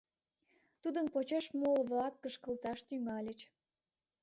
Тудын почеш моло-влак кышкылташ тӱҥальыч.